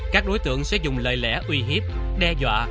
các đối tượng sẽ dùng lời lẽ uy hiếp đe dọa